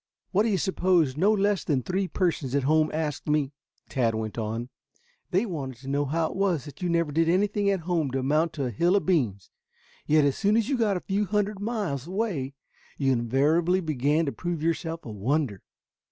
"What do you suppose no less than three persons at home asked me?" Tad went on. "They wanted to know how it was that you never did anything at home to amount to a hill of beans, yet, as soon as you got a few hundred miles away, you invariably began to prove yourself a wonder.